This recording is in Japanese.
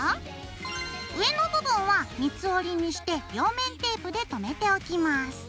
上の部分は三つ折にして両面テープで留めておきます。